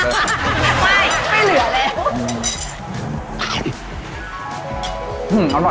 ไม่มีที่ออกซะ